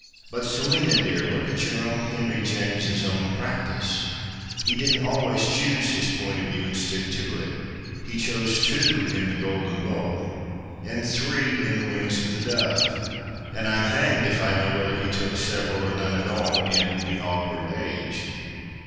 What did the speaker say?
But, Selina, dear, look at your own Henry Janies's own practice. He didn't always choose liis point of view and stick to it. He chose two in ' The Golden Bowl,' and three in ' The Wings of the Dove," and I'm hanged if I know whether he took several, or none at all, in ' The Awkward Age.'